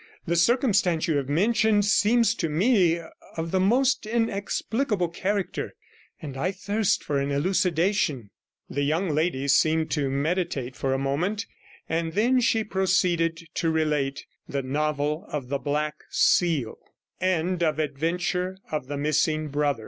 The circumstance you have mentioned seems to me of the most inexplicable character, and I thirst for an elucidation.' The young lady seemed to meditate for a moment, and she then proceeded to relate the NOVEL OF THE BLACK SEAL I must now give you some fuller particulars of